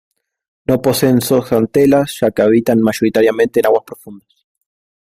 No poseen zooxantelas, ya que habitan mayoritariamente en aguas profundas.